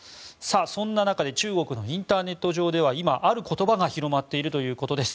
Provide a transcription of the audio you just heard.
そんな中で中国のインターネット上では今、ある言葉が広がっているということです。